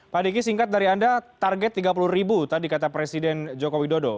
pak diki singkat dari anda target rp tiga puluh tadi kata presiden jokowi dodo